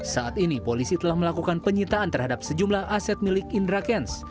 saat ini polisi telah melakukan penyitaan terhadap sejumlah aset milik indra kents